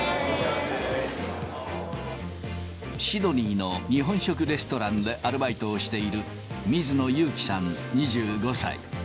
シドニーの日本食レストランでアルバイトをしている水野有貴さん２５歳。